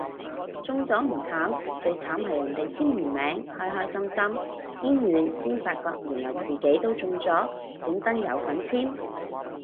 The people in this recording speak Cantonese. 中咗唔慘，最慘係人哋簽完名開開心心見完先發覺原來自己都中咗本身有份簽